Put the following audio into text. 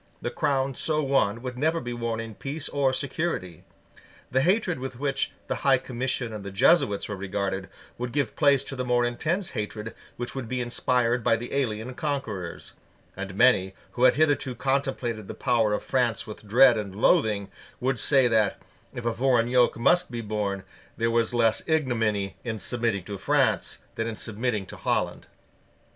The crown so won would never be worn in peace or security: The hatred with which the High Commission and the Jesuits were regarded would give place to the more intense hatred which would be inspired by the alien conquerors; and many, who had hitherto contemplated the power of France with dread and loathing, would say that, if a foreign yoke must be borne, there was less ignominy in submitting to France than in submitting to Holland.